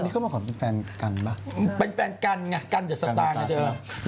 คนที่เขามาก่อนเป็นแฟนกันบ้างเป็นแฟนกันไงกันเดี๋ยวสตาร์นกันเดียว